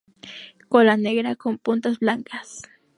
Cola negra con puntas blancas.